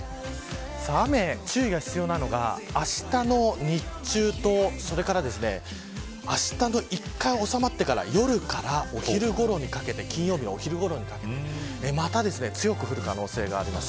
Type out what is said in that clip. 雨、注意が必要なのがあしたの日中とそれから一回収まってからあしたの夜から金曜日のお昼ごろにかけてまた強く降る可能性があります。